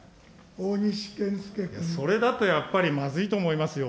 それだとやっぱり、まずいと思いますよ。